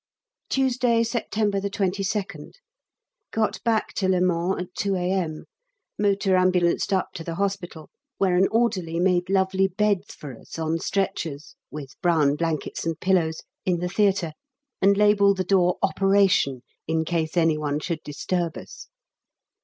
Tuesday, September 22nd. Got back to Le Mans at 2 A.M. motor ambulanced up to the hospital, where an orderly made lovely beds for us on stretchers, with brown blankets and pillows, in the theatre, and labelled the door "Operation," in case any one should disturb us.